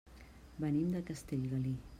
Venim de Castellgalí.